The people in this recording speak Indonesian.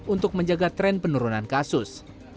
untuk menjaga tren penurunan kasus